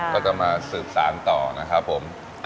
ก็จะมาสืบสารต่อนะครับผม